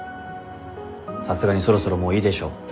さすがにそろそろもういいでしょ。